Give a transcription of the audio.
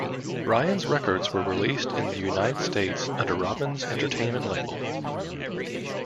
Ryan's records were released in the United States under Robbins Entertainment label.